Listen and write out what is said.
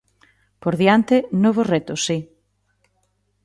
Por diante, novos retos, si.